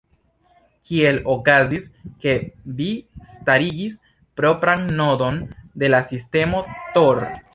Kiel okazis, ke vi starigis propran nodon de la sistemo Tor?